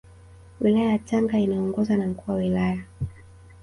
Wilaya ya Tanga inaongozwa na Mkuu wa Wilaya